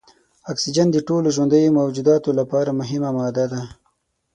اکسیجن د ټولو ژوندیو موجوداتو لپاره مهمه ماده ده.